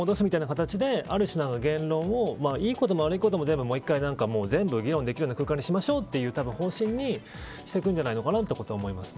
形である種、言論をいいことも悪いことも全部議論できるような空間にしましょうという方針にしていくんじゃないかと思います。